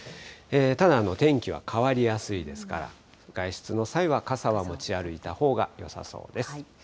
ただ、天気は変わりやすいですから、外出の際は傘は持ち歩いたほうがよさそうです。